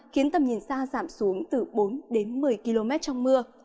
khiến tầm nhìn xa giảm xuống từ bốn đến một mươi km trong mưa